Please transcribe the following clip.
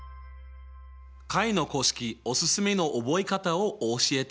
解の公式おすすめの覚え方を教えてあげるよ。